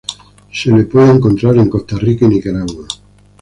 Se la puede encontrar en Costa Rica y Nicaragua.